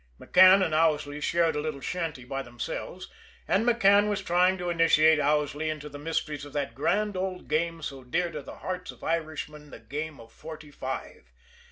McCann and Owsley shared a little shanty by themselves, and McCann was trying to initiate Owsley into the mysteries of that grand old game so dear to the hearts of Irishmen the game of forty five.